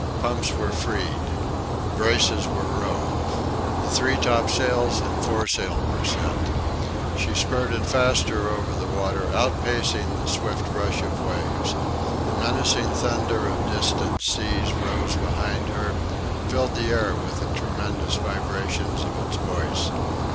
Pumps were freed. Braces were rove. The three topsails and foresail were set. She spurted faster over the water, outpacing the swift rush of waves. The menacing thunder of distanced seas rose behind her filled the air with the tremendous vibrations of its voice.